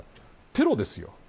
テロです。